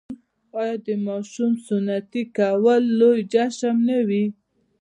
آیا د ماشوم سنتي کول لوی جشن نه وي؟